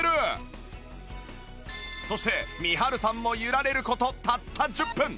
そしてみはるさんも揺られる事たった１０分